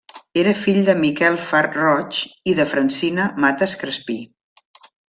Era fill de Miquel Far Roig i de Francina Mates Crespí.